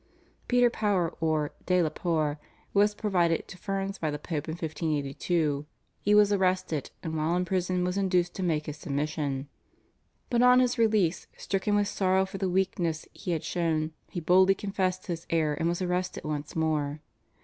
Peter Power or de la Poer was provided to Ferns by the Pope in 1582. He was arrested and while in prison was induced to make his submission, but on his release, stricken with sorrow for the weakness he had shown, he boldly confessed his error and was arrested once more.